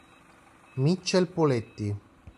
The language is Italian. Mitchell Poletti